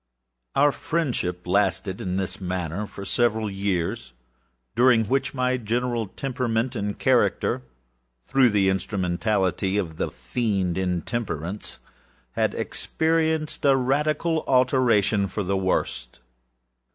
Our friendship lasted, in this manner, for several years, during which my general temperament and characterâthrough the instrumentality of the Fiend Intemperanceâhad (I blush to confess it) experienced a radical alteration for the worse.